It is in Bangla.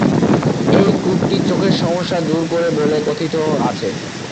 এই কূপটি চোখের সমস্যা দূর করে বলে কথিত আছে।